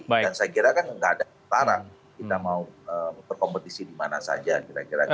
dan saya kirakan nggak ada antara kita mau berkompetisi dimana saja kira kira